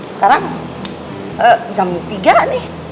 sekarang jam tiga nih